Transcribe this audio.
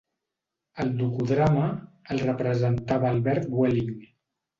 Al docudrama, el representava Albert Welling.